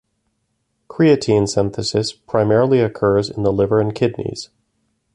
Creatine synthesis primarily occurs in the liver and kidneys.